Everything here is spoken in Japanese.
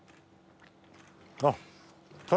あっ。